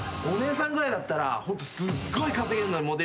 お姉さんぐらいだったらホントすっごい稼げるのに。